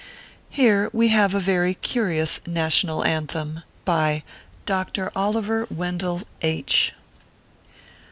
Here we have a very curious NATIONAL ANTHEM. BY DR. OLIVER WENDELL H